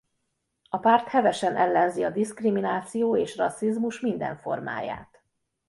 A párt hevesen ellenzi a diszkrimináció és rasszizmus minden formáját.